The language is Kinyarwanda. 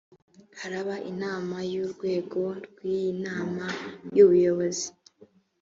haraba inama y’ urwego rw ‘inama y ‘ubuyobozi .